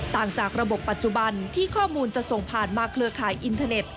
ต่างจากระบบปัจจุบันที่ข้อมูลจะส่งผ่านมาเครือข่ายอินเทอร์เน็ต